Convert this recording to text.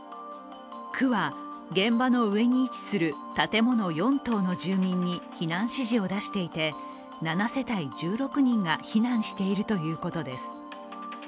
区は現場の上に位置する建物４棟の住民に避難指示を出していて７世帯１６人が避難しているということです。